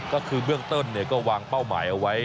ก็คือเบื้องต้นก็วางเป้าหมายเอาไว้